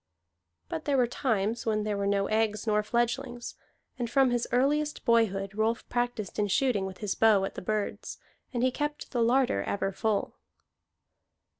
But there were times when there were no eggs nor fledglings, and from his earliest boyhood Rolf practised in shooting with his bow at the birds, and he kept the larder ever full.